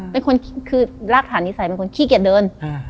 เป็นคนคือรากฐานนิสัยเป็นคนขี้เกียจเดิน